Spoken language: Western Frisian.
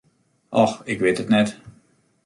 Och, ik wit it net.